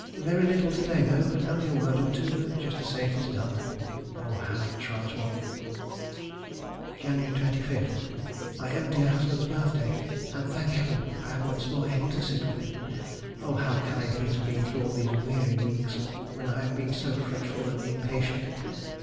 Very little to day though; only a word or two, just to say it is done. Oh, how it tries one! Jan. 25. My own dear husband's birthday; and, thank Heaven! I am once more able to sit with him. Oh! how kind he has been through all these weary weeks, when I have been so fretful and impatient.